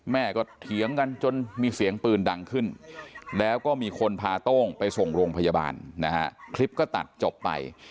แม่ก็เถียงกันจนมีเสียงปืนดังขึ้นแล้วก็มีคนพาโต้งไปส่งโรงพยาบาลนะฮะคลิปก็ตัดจบไป